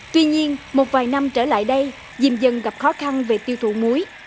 tuy nhiên một vài năm trở lại đây dìm dần gặp khó khăn về tiêu thụ muối